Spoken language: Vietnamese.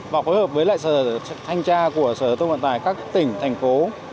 và khối hợp với lại sở thanh tra của sở giao thông vận tải các tỉnh thành phố